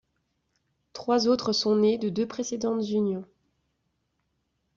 Trois autres sont nés de deux précédentes unions.